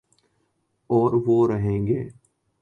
اوروہ رہیں گے